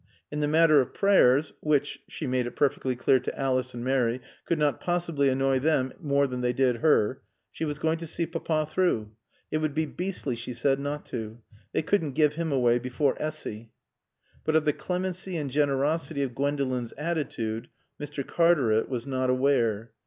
In the matter of prayers, which she made it perfectly clear to Alice and Mary could not possibly annoy them more than they did her, she was going to see Papa through. It would be beastly, she said, not to. They couldn't give him away before Essy. But of the clemency and generosity of Gwendolen's attitude Mr. Cartaret was not aware.